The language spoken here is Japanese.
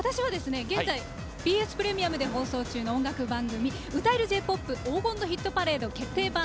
現在、ＢＳプレミアムで放送中の音楽番組「歌える！Ｊ‐ＰＯＰ黄金のヒットパレード決定版！」